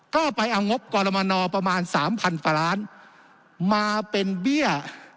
ก็ไปเอางบกรมนประมาณสามพันพลาสมาเป็นเบี้ย